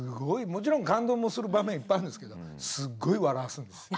もちろん感動もする場面いっぱいあるんですけどすっごい笑わすんです。